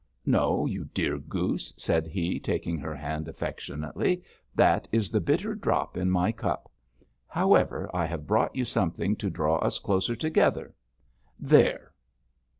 'No, you dear goose,' said he, taking her hand affectionately; 'that is the bitter drop in my cup. However, I have brought you something to draw us closer together. There!'